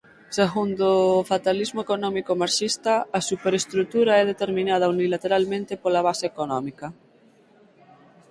Segundo o fatalismo económico "marxista" a superestrutura é determinada unilateralmente pola base económica.